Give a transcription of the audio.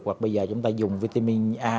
hoặc bây giờ chúng ta dùng vitamin a